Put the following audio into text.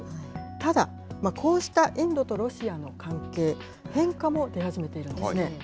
ただ、こうしたインドとロシアの関係、変化も出始めているんですね。